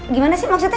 gimana sih maksudnya